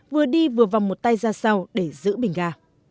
vừa đi vừa vòng một tay ra sau để giữ bình ga